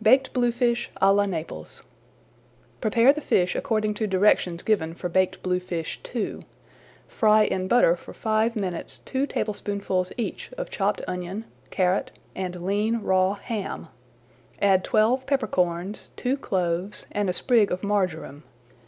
BAKED BLUEFISH À LA NAPLES Prepare the fish according to directions given for Baked Bluefish II. Fry in butter for five minutes two tablespoonfuls each of chopped onion, carrot, and lean raw ham. Add twelve pepper corns, two cloves, and a sprig of marjoram.